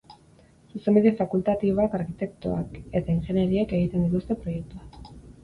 Zuzenbide fakultatiboak, arkitektoek eta ingeneriek egiten dituzte proiektuak.